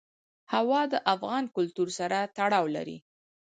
هوا د افغان کلتور سره تړاو لري.